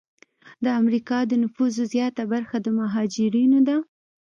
د امریکا د نفوسو زیاته برخه د مهاجرینو ده.